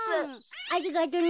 ありがとうね。